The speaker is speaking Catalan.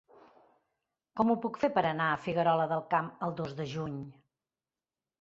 Com ho puc fer per anar a Figuerola del Camp el dos de juny?